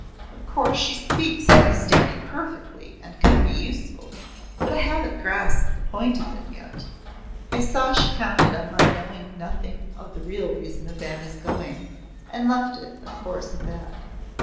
Of course she speaks Hindustani perfectly, and could be useful, but I haven't grasped the point of it yet." I saw she counted on my knowing nothing of the real reason of Vanna's going and left it, of course, at that.